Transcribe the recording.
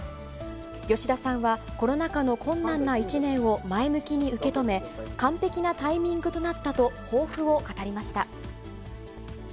吉田さんはコロナ禍の困難な１年を前向きに受け止め、完璧なタイミングとなったと抱負を語りました。